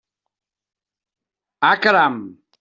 Ah, caram!